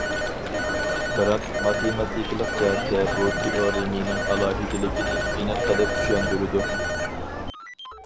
بىراق، ماتېماتىكىلىق جەھەتتە بۇ تېئورېمىنىڭ ئالاھىدىلىكنى ئېنىق قىلىپ چۈشەندۈرىدۇ.